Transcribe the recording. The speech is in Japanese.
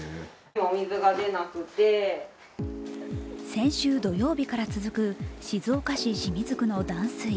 先週土曜日から続く静岡県清水区の断水。